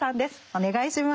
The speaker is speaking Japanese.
お願いします。